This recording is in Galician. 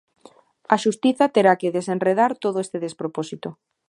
A xustiza terá que desenredar todo este despropósito.